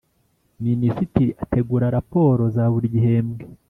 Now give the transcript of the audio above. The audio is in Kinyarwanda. Minisitiri ategura raporo za buri gihembwe